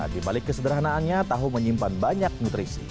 di balik kesederhanaannya tahu menyimpan banyak nutrisi